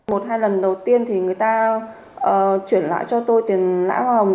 một hai lần đầu tiên thì người ta chuyển lại cho tôi tiền lãng hoa hồng